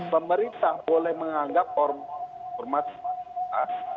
pemerintah boleh menganggap ormas